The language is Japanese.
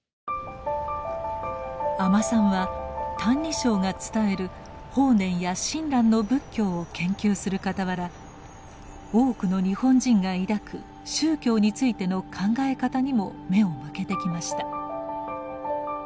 阿満さんは「歎異抄」が伝える法然や親鸞の仏教を研究するかたわら多くの日本人が抱く宗教についての考え方にも目を向けてきました。